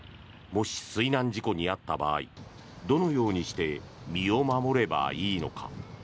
もし、水難事故に遭った場合どのようにして身を守ればいいのか。